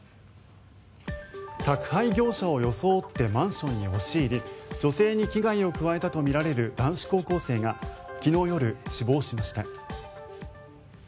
宅配業者を装ってマンションに押し入り女性に危害を加えたとみられる男子高校生が昨日夜、死亡しました。